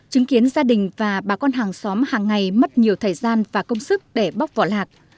chứng kiến gia đình và bà con hàng xóm hàng ngày mất nhiều thời gian và công sức để bóc vỏ lạc